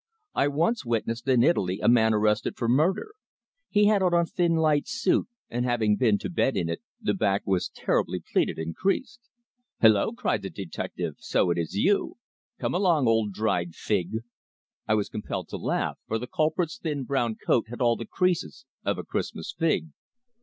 I once witnessed in Italy a man arrested for murder. He had on a thin light suit, and having been to bed in it, the back was terribly pleated and creased. "Hulloa!" cried the detective, "so it is you. Come along, old dried fig!" I was compelled to laugh, for the culprit's thin, brown coat had all the creases of a Christmas fig.